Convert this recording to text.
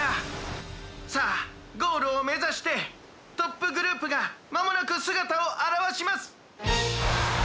さあゴールをめざしてトップグループがまもなくすがたをあらわします！」。